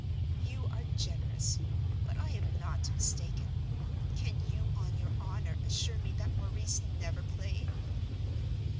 "You are generous, but I am not mistaken. Can you, on your honor, assure me that Maurice never played?"